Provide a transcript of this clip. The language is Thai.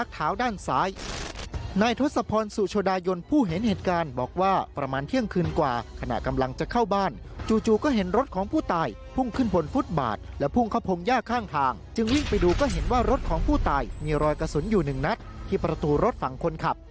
ใต้มีรอยกระสุนอยู่๑นัดที่ประตูรถฝั่งคนขับ